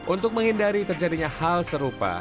untuk menghindari terjadinya hal serupa